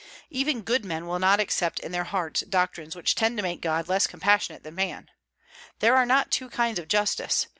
Even good men will not accept in their hearts doctrines which tend to make God less compassionate than man. There are not two kinds of justice.